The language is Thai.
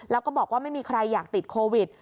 แล้วก็บอกว่าไม่มีใครอยากติดโควิด